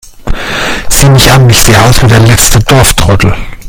Sieh mich an, ich sehe aus wie der letzte Dorftrottel!